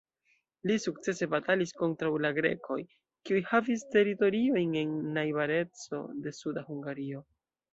Li sukcese batalis kontraŭ la grekoj, kiuj havis teritoriojn en najbareco de suda Hungario.